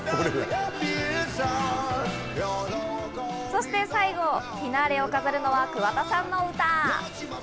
そして最後、フィナーレを飾るのは桑田さんの歌。